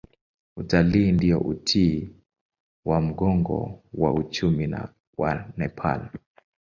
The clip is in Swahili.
Utalii ndio uti wa mgongo wa uchumi wa Nepal.